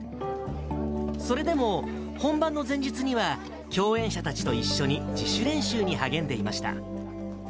それでも、本番の前日には、共演者たちと一緒に自主練習に励んでいました。